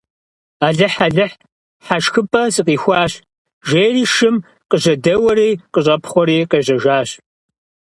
– Алыхь-Алыхь, хьэшхыпӀэ сыкъихуащ, – жери шым къыжьэдэуэри къыщӀэпхъуэри къежьэжащ.